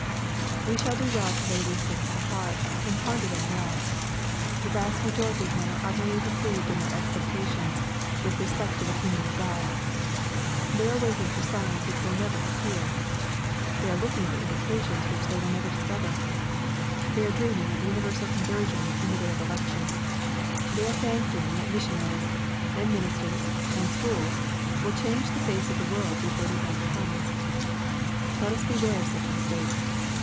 We shall do well to lay these things to heart, and ponder them well. The vast majority of men are utterly deceived in their expectations with respect to the king dom of God. They are waiting for signs which will never appear. They are looking for indications which they wiU never discover. They are dreaming of universal conversion in the day of election. They are fancying that missionaries, and ministers, and schools, will change the face of the world before the end comes. Let us beware of such mistakes.